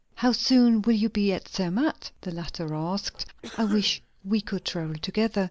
"How soon will you be at Zermatt?" the latter asked. "I wish we could travel together!